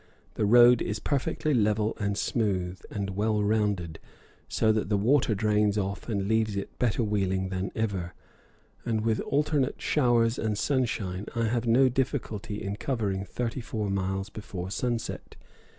The road is perfectly level and smooth, and well rounded, so that the water drains off and leaves it better wheeling than ever; and with alternate showers and sunshine I have no difficulty in covering thirty four miles before sunset.